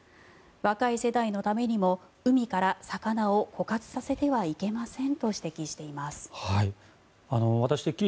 若い世代のためにも海から魚を枯渇させてはいけませんと指摘しています。